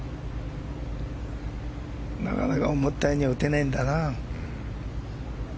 なかなか思ったようには打てねえんだな。